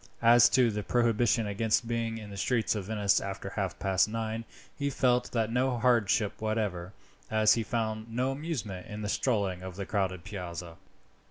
As to the prohibition against being in the streets of Venice after half past nine, he felt that no hardship whatever, as he found no amusement in strolling in the crowded Piazza.